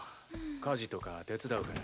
家事とか手伝うから。